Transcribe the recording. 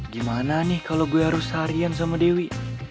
gimana nih kalau gue harus seharian sama dewi